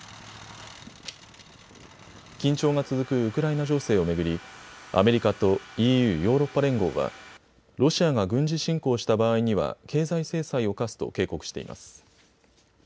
ウクライナ情勢を巡り、アメリカとＥＵ・ヨーロッパ連合は、ロシアが軍事侵攻した場合には経済制裁を科すと警告しています。